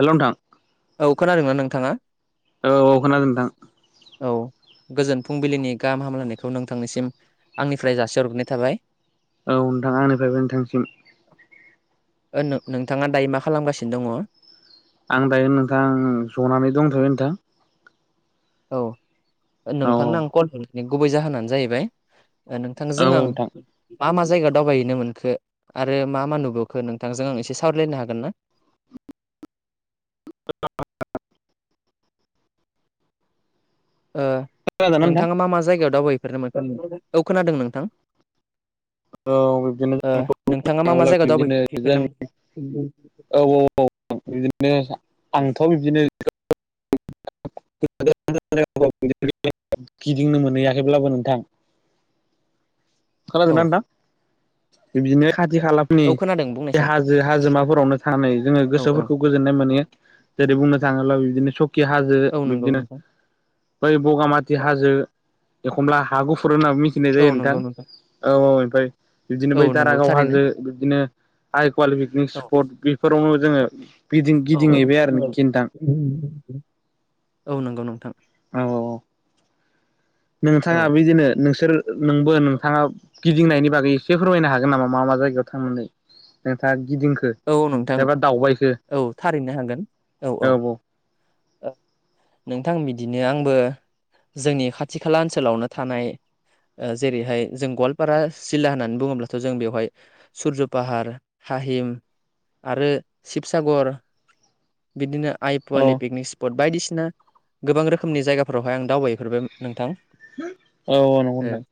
हेल' नोंथां। औ खोनादोंना नोंथाङा? औ औ खोनादो नोंथां। औ गोजोन फुंबिलिनि गाहाम हामलायनायखौ नोंथांनिसिम आंनिफ्राय जासिहरग्रोनाय थाबाय। औ नोंथां आंनिफ्रायबो नोंथांसिम। ओ नों नोंथाङा दायो मा खालामगासिनो दङ? आं दायो नोंथां जनानै दंथ'यो नोंथां। औ औ नोंथांनो आं कल हरनानै गुबै जाहोनानो जाहैबाय ओ औ नोंथांजों आं नोंथां मा मा जायगा दावबायहैनो मोनखो आरो मा मा नुबोखो नोंथांजों आं एसे सावरायलायनो हागोन ना? [inaudible] [unintelligible] ओ खोनादोंना नोंथां नोंथाङा मा मा जायगायाव दावबायहैफेरनो मोनखो औ खोनादों नोंथां। [inaudible] औ बिबदिनो ओ नोंथाङा मा मा [unintelligible] जायगायाव बिदिनो जों दावबायहैफेरनो मोनखो? औ औ बिदिनो आंथ' बिब्दिनो। [unintelligible] गिदिंनो मोनहैया खैब्लाबो नोंथां। खोनांदोंना औ नोंथां बिदिनो खाथि खाला फोरनि औ खोनादों बे बुंनायसाय हाजो हाजोमा फोरावनो थांनानै जोङो औ गोसो औ फोरखौ गोजोननाय मोनियो जेरै बुंनो थाङोब्ला बिदिनो खि हाजो औ नंगौ बिबदिनो नोंथां बै बगामाथि औ हाजो एखमब्ला हा गुफु होननाबो मिथिनाय जायो औ नोंथां नंगौ औ औ ओमफाय बिब्दिनो औ बै नंगौ दारागाव थारैनो हाजो बिब्दिनो आइ पवालि पिकनिक स्पट बेफोरावनो जोङो गिदिं औ गिदिंहैबाय आरो नोखि नोंथां औ [inaudible] औ नंगौ नोंथां। औ औ औ औ नोंथाङा बिदिनो नोंसोर नोंबो नोंथाङा गिदिंनायनि बागै एसे फोरमायनो हागोन नामा मा मा जायगायाव थांनानै नोंथाङा गिदिंखो औ नोंथां एबा दावबायखो औ थारैनो हागोन औ औ। नोंथां बि दिनो आंबो जोंनि खाथि खाला ओनसोलावनो थानाय ओ जेरैहाय जों गवालपारा जिल्ला होननानै बुङोब्लाथ' जों बेवहाय सुर्ज' पाहार थाहिम आरो शिबसागर बिदिनो आइ औ पवालि पिकनिक स्पट बायदिसिन नो गोबां रोखोमनि जायगा फोरावहाय आं दावबाय फोरबाय नोंथां। औ औ नंगौ ओ नोंथां।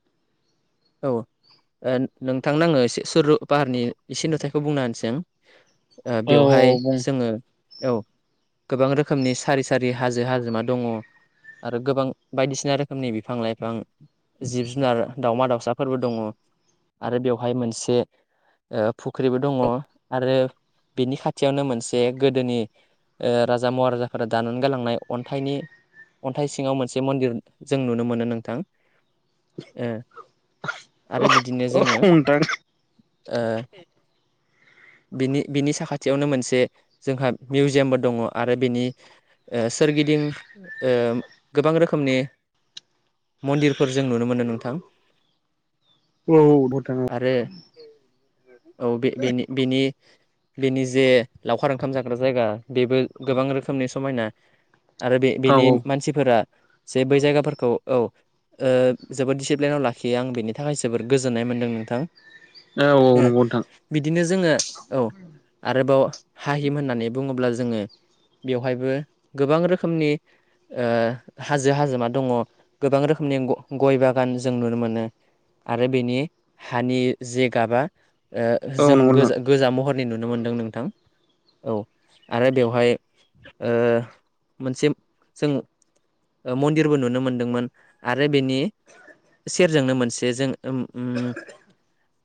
औ ओ नोंथांनो आङो से सुर पाहारनि एसे नुथायखौ बुंना होनसै आं। ओ औ बेव औ हाय बुं जोङो औ। गोबां रोखोमनि सारि सारि हाजो हाजोमा दङ आरो गोबां बायदिसिना रोखोमनि बिफां-लाइफां, जिब-जुनार, दाउमा-दाउसा फोरबो दङ। आरो बेवहाय मोनसे ओ फुख्रिबो दङ आरो बिनि खाथियावनो मोनसे गोदोनि ओ राजा महाराजा फोरा दानानै गालांनाय अन्थाइनि अन्थाइ सिङाव मोनसे मन्दिर जों नुनो मोनो नोंथां। ओ आरो बिदिनो औ जोङो नोंथां ओ बिनि बिनि साखाथियावनो मोनसे जोंहा मिउजियामबो दङ आरो बिनि ओ सोरगिदिं ओ गोबां रोखोमनि मन्दिर फोर जों नुनो मोनो नोंथां। औ भुटानाव। आरो औ बे बेनि बेनि बेनि जे लावखार ओंखाम जाग्रा जायगा बेबो गोबां रोखोमनि समायना। आरो बे औ बेनि मानसि फोरा जे बै जायगा फोरखौ औ। ओ जोबोद दिसिप्लेनाव लाखियो आं बेनि थाखाय जोबोर गोजोननाय मोनदों नोंथां। औ औ औ ओ नंगौ नोथां। बिदिनो जोङो औ आरोबाव हाहिम होननानै बुङोब्ला जोङो बेवहायबो गोबां रोखोमनि ओ हाजो हाजोमा दङ गोबां रोखोमनि गा गय बागान जों नुनो मोनो। आरो बेनि हानि जे गाबा ओ औ जों नंगौ नोंथां गोज गोजा महर रै नुनो मोन्दों नोंथां। औ आरो बेवहाय ओ मोनसे जों मन्दिरबो नुनो मोनदों मोन आरो बेनि सेरजोंनो मोनसे जों ओम उम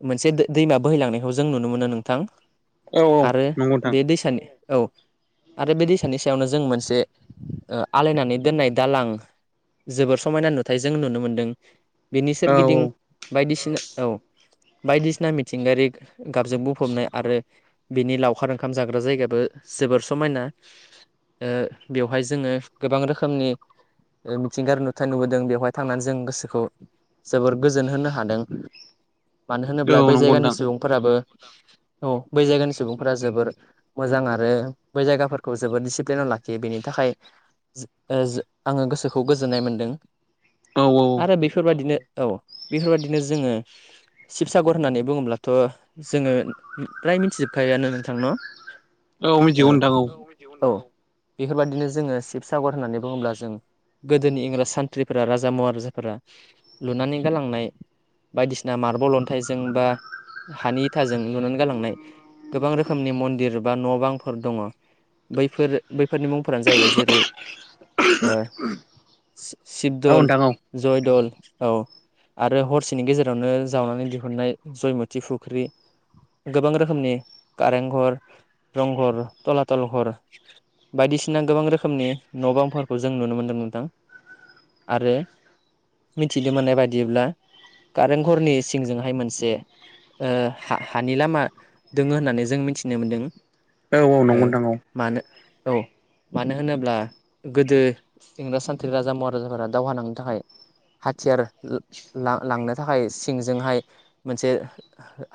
मोनसे दै दैमा बोहै लांनायखौ जों नुनो मोनो नोंथां औ औ आरो नंगौ नोंथां बे दैसानि औ आरो बे दैसानि सायावनो जों मोनसे ओ आलायनानै दोननाय दालां जोबोर समायना नुथाय जों नुनो मोनदों। बिनि औ सोरगिदिं बायदि सिन औ बायदि सिना मिथिंगायारि गाबजों बुंफबनाय आरो बिनि लावखार ओंखाम जाग्रा जायगायाबो जोबोर समायना । ओ बेवहाय जोङो गोबां रोखोमनि ओ मिथिंगार नुथाय नुबोदों बेवहाय थांनानै जों गोसोखौ जोबोर गोजोन होनो हादों। मानो होनोब्ला औ बै नंगौ जायगानि नोंथां सुबुंफोराबो औ बै जायगानि सुबुंफोरा जोबोर मोजां आरो बै जायगाफोरखौ जोबोर दिडिसिप्लिनाव लाखियो बेनि थाखाय ओ जो आङो गोसोखौ गोजोननाय मोनदों। औ औ आरो बेफोरबादिनो औ बेफोरबायाददिनो जोङो शिबसागर होननानै बुङोब्ला थ' जोङो फ्राय मिथिजोबखायोआनो नोंथां न' ओ औ मिथिगौ नोंथां औ औ बेफोरबायदिनो जोङो शिबसागर होननानै बुङोब्ला जों गोदोनि इंराज सानथ्रिफोरा राजा महाराजाफोरा लुनानै गालांनाय बायदिसिना मार्बल अन्थाइजों बा हानि इथाजों लुनानै गालांनाय गोबां रोखोमनि मन्दिर बा न' बांफोर दङ' । बैफोर बैफोरनि मुंफोरानो जाहैबाय जेरै ओ औ सि-सिशिबदल, नोंथां जयदल औ आरो हरसेनि गेजेरावनो जावनानै दिहुननाय जयमथि फुख्रि गोबां रोखोमनि कारें घर, रंघर, थलाथल घर बायदिसिना गोबां रोखोमनि न' बांफोरखौ जों नुनो मोनदों नोंथां आरो मिथिनो मोननाय बायदिब्ला कारेंघरनि सिंजोंहाय मोनसे ओ हा-हानि लामा दोङो होननानै जों मिथिनो मोनदों । औ औ नंगौथां औ । औ मानो होनोब्ला गोदो इंराज सान्थ्रि राजा महाराजाफोरा दावहा नांनो थाखाय हाथियार ल-ला-लांनो थाखाय सिंजोंहाय मोनसे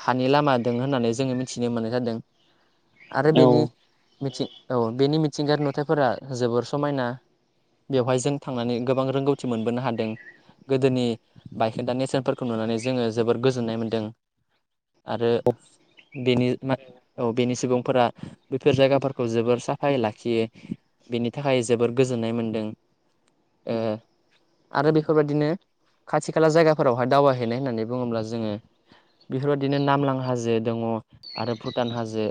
हानि लामा दों होननानै जोङो मिथिनो मोननाय जादों आरो औ बेनि मिथि औ बेनि मिथिंगायारि नुथायफोरा जोबोर समायना बेवहाय जों थांनानै गोबां रोंगौथि मोनबोनो हादों । गोदोनि बायखेदा नेरसोनफोरखौ नुनानै जोङो जोबोर गोजोननाय मोनदों । आरो बेनि मा औ बेनि सुबुंफोरा बेफोर जायगाफोरखौ जोबोर साफायै लाखियो बिनि थाखाय जोबोर गोजोननाय मोनदों ओ । आरो बेफोरबायाददिनो खाथि खाला जायगाफोरावहाय दावबायहैनाय होननानै बुङोब्ला जोङो बेफोरबायदिनो नामलां हाजो दङ' आरो भुटान हाजो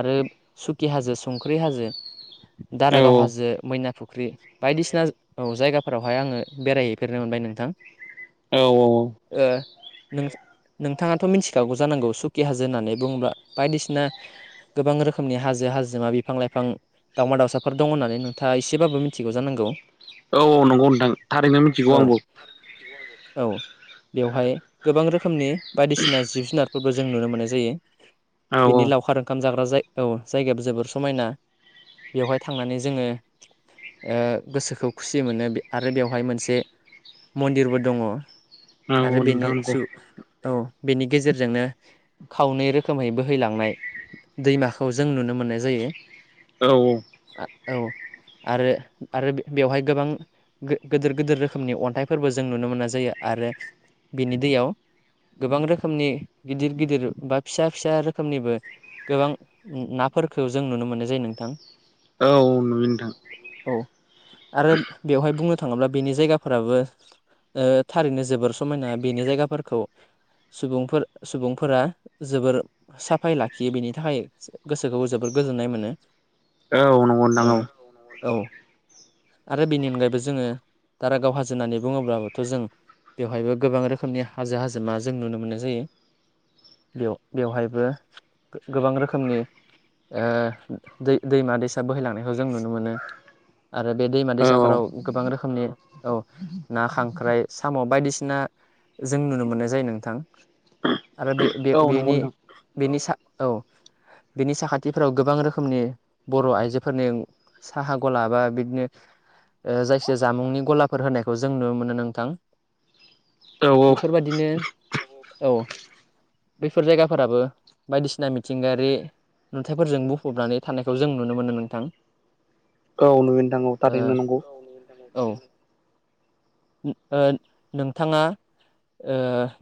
आरो सुखि हाजो संख्रि हाजो औ दारागाव हाजो मैना फु ख्रि बायदिसिना औ जायगाफोरावहाय आङो बेरायहैफेरनो मोनबाय नोंथां । औ औ औ ओ नों नोंथाङाथ' मिथिखागौ जानांगौ सुकि हाजो होननानै बुङोब्ला बायदिसिना गोबां रोखोमनि हाजो हा हाजिमा बिफां लाइफां दावउमा दावसाफोर दं होननानै नोंथाङा एसेबाबो मिथिगौ जानांगौ । औ औ नंगौ नोंथां थारैनो मिथिगौ आंबो । औ बेवहाय गोबां रोखोमनि बायदिसिना जिब जुनारफोरबो जों नुनो मोननाय जायो । औ बिनि लावखार ओंखाम जाग्रा जाय औ जायगायाबो जोबोर समायना । बेवहाय थांनानै जोङो ओ गोसोखौ खुसि मोनो बे आरो बेवहाय मोनसे मन्दिरबो दङ' औ आरो बेनि नोंथां नंगौ सु औ बेनि गेजेरजोंनो खावनै रोखोमै बोहैलांनाय दैमाखौ जों नुनो मोननाय जायो औ आ औ । आरो आरो बे-बेवहाय गोबां गो-गोदोर गोदोर रोखोमनि अन्थाइफोरबो जों नुनो मोननाय जायो आरो बिनि दैयाव गोबां रोखोमनि गिदिर गिदिर बा फिसा फिसा रोखोमनिबो गोबां नाफोरखौ जों नुनो मोननाय जायो नोंथां। औ नुयो नोंथां। औ आरो बेवहाय बुंनो थाङोब्ला बेनि जायगाफ्राबो ओ थारैनो जोबोर समायना बेनि जायगाफोरखौ सुबुंफोर-सुबुंफोरा जोबोर साफायै लाखियो बिनि थाखाय गोसोखौ जोबोर गोजोन नाय मोनो। औ नंगौ नोंथां ओ औ। औ आरो बेनि अनगायैबो जोङो दारागाव हाजो होननानै बुङोब्लाबोथ' जों बेवहायबो गोबां रोखोमनि हाजो-हाजोमा जों नुनो मोननाय जायो। बेयाव बेवहायबो गोबां रोखोमनि ओ दै-दैमा-दैसा बोहैलांनायखौ जों नुनो मोनो। आरो बे दैमा औ दैसाफोराव गोबां रोखोमनि औ ना, खांख्राइ, साम' बायदिसिना जों नुनो मोननाय जायो नोंथां। आरो औ औ नंगौ बे-बे-बेनि नोंथां बेनि सा औ बिनि साखाथिफ्राव गोबां रोखोमनि बर' आइजोफोरनि साहा ग'ला बा बिदिनो ओ जायखि जाया जामुंनि गलाफोर होनायखौ जों नुनो मोनो नोंथां। औ बेफोरबायदिनो औ बेफोर जायगाफोराबो बायदिसिना मिथिंगायारि नुथायफोरजों बुंफबनानै थानायखौ जों नुनो मोनो नोंथां। औ नंगौ ओ थारैनो नंगौ। औ ओ नोंथाङा ओ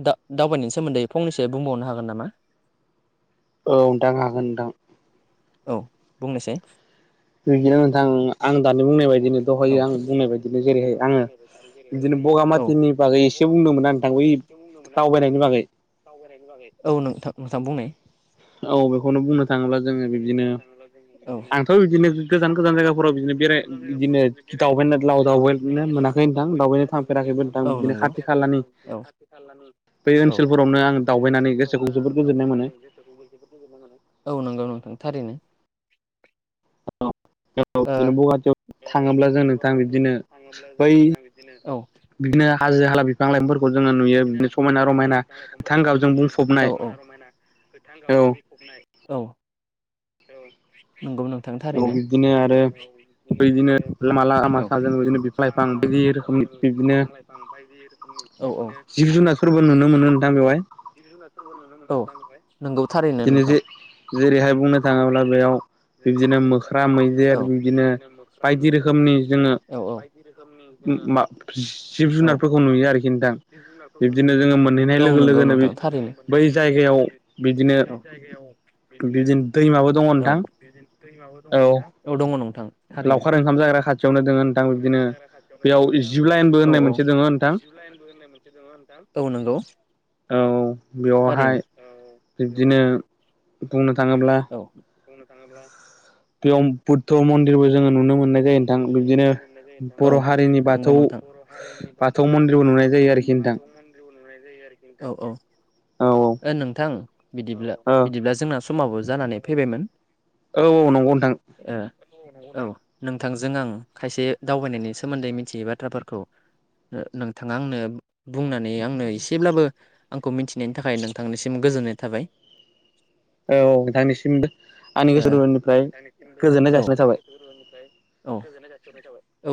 दा-दावबायनायनि सोमोन्दै फंनैसो बुंबावनो हागोन नामा? औ नोंथां हागोन नोंथां। औ बुंनायसाय। बिदिनो नोंथां आं दानि बुंनाय बायदिनो दहायो औ आं बुंनाय बायदिनो जेरैहाय आङो बिदि औ बगामाथिनि बागै एसे बुंदोंमोन ना नोंथां बै दावबायनायनि बागै दावबायनायनि बागै? औ नोंथां नोंथां बुंनाय। औ बेखौनो बुंनो थाङोब्ला जोङो बि बुंनो थाङोब्ला जोङो आंथ' बिदिनो गोजान-गोजान जायगाफोराव बिदिनो बेराय बिदिनो दावबायनो लाव दावबायनो मोनाखै। नोंथां दावबायनो मोनाखै थांफेराखैबो नोंथां ।औ बिदिनो नंगौ, औ खाथि खालानि बिदिनो खाथि-खालानि बै औ ओनसोलफोरावनो आं बै दावबायनानै गोसोखौ ओनसोलफोरावनो जोबोद आङो गोजोननाय मोनो दावबायनानै गोेसोखौबो जोबोद जोननाय मोनो। औ नोंगौ नोंथां थारैनो। औ ओ बिदिनो बगाजुलियाव थाङोब्ला जों नोंथां बिबदिनो बै बिदिनो हाजो- हाला, बिफां -लाइफांफोर बिदिनो हाजो-हाला, गोथां बिफां-लाइफांफोरखौ जोङो गाबजों नुयो बिदिनो, औ बुंफबनाय औ, समायना-रमायना गोथां औ गाबजों बुंफब नाय औ औ नोंगौ नोंथां औ थारैनो। बिदिनो आरो बिदिनो लामा-लामा औ साजों बिदिनो बिफां-लाइफां बायदि रोखोमनि बिबदिनो जिब-जुनारफोरबो नुनो मोनो नोंथां बेवहाय। जिब- जुनारफोरबो नुनो मोनो नोंथां बेवहाय। औ दिनै जे-जेरैहाय बुंनो थाङोब्ला बेयाव बिबदिनो मोख्रा, मैदेर बिब्दिनो बायदि रोखोमनि जोङो ओम मा जिब-जुनारफोरखौ नुयो आरोखि नोंथां। बिब्दिनो जोङो मोनहैनाय लोगो लोगोनो बै जायगायाव बिदिनो जायगायाव बिदिनो माबाबो दङ नोंथां। औ दङ नोंथां लावखार ओंखाम जाग्रा खाथियावनो दोङो नोंथां। लावखार बिदिनो ओंखाम जाग्रा खाथियावनो‌ दङ बेयाव नोंथां जिब बिबदिनो‌ लाइनबो औ होननाय औ मोनसे दङ बेयाव नोंथां जिब लाइनबो होननाय मोनसे दङ नोंथां, औ नोंगौ औ बेवहाय बिब्दिनो बुंनो थाङोब्ला बुंनो थाङोब्ला बेयाव बुद्ध मन्दिरबो जोङो नुनो मोननाय जायो नोंथां बिदिनो बर' हारिनि नुनो मोननाय जायो बाथौ बाथौ मन्दिरबो नुनाय जायो आरोखि नोंथां। [unintelligible] औ औ औ ओ नोंथां बिदिब्ला औ बिदिब्ला जोंना समाबो जानानै फैबायमोन। औ औ नंगौ नोंथां। ओ औ नोंथांजों आं खायसे दावबायनायनि सोमोन्दै मिथियै बाथ्राफोरखौ नो- नोंथाङा आंनो बुंनानै आंनो एसेब्लाबो आंखौ मिथिनायनि थाखाय नोंथांनिसिम गोजोननाय थाबाय। औ नोंथांनिस ओ गोजोननाय जासिनाय थाबाय औ औ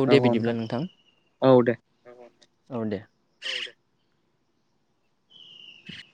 औ दे बिदिब्ला नोंथां औ दे। औ दे औ दे। [inaudible]